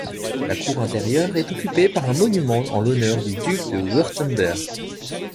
La cour intérieure est occupée par un monument en l'honneur du duc de Wurtemberg.